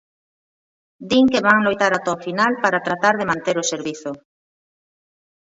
Din que van loitar ata o final para tratar de manter o servizo.